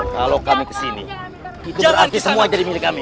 kalau kami kesini itu berarti semua jadi milik kami